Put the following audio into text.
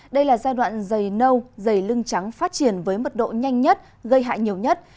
đây là giai đoạn dày nâu dày lưng trắng phát triển với mật độ nhanh nhất gây hại nhiều nhất